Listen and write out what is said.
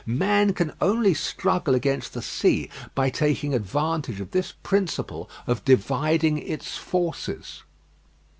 Man can only struggle against the sea by taking advantage of this principle of dividing its forces.